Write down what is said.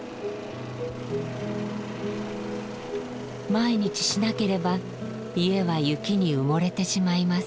毎日しなければ家は雪に埋もれてしまいます。